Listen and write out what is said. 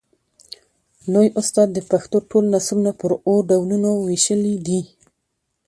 لوى استاد د پښتو ټول نثرونه پر اوو ډولونو وېشلي دي.